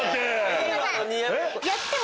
すいません。